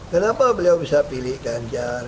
kenapa beliau bisa pilih ganjar